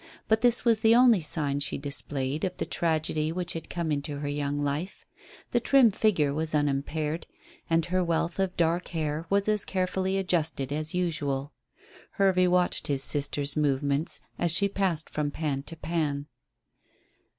But this was the only sign she displayed of the tragedy which had come into her young life. The trim figure was unimpaired, and her wealth of dark hair was as carefully adjusted as usual. Hervey watched his sister's movements as she passed from pan to pan.